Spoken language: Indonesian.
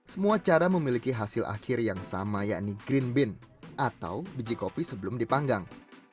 semua cara memiliki hasil akhir yang sama yakni green bean atau biji kopi sebelum dipanggang